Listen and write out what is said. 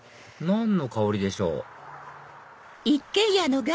何の香りでしょう？